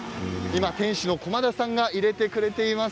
店主の駒田さんがいれてくれています。